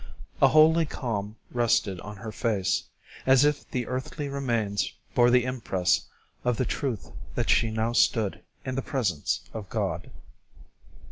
A holy calm rested on her face, as if the earthly remains bore the impress of the truth that she now stood in the presence of God.